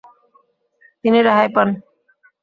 তিনি রেহাই পান।